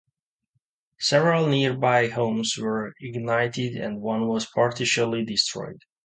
Several nearby homes were ignited and one was partially destroyed.